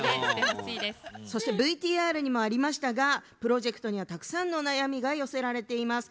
そしてＶＴＲにもありましたがプロジェクトにはたくさんの悩みが寄せられています。